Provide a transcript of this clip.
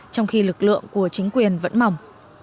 trong khi lực lượng của chính quyền vẫn mỏng